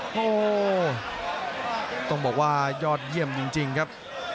โอ้โหต้องบอกว่ายอดเยี่ยมจริงครับ